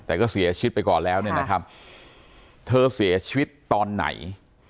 แต่ก็เสียชีวิตไปก่อนแล้วเนี่ยนะครับเธอเสียชีวิตตอนไหน